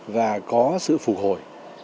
và có sự phục hồi